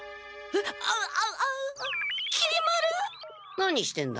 何してんだ？